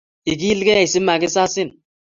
Ikilkei si makisasin